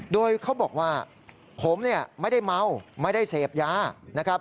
โดยเขาบอกว่าผมเนี่ยไม่ได้เมาไม่ได้เสพยานะครับ